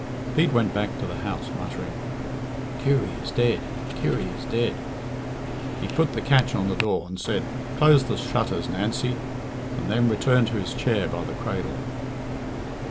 Pete went back to the house, muttering, "Kirry is dead! Kirry is dead!" He put the catch on the door, said, "Close the shutters, Nancy," and then returned to his chair by the cradle.